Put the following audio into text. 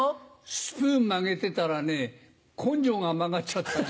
スプーン曲げてたらね根性が曲がっちゃったんです。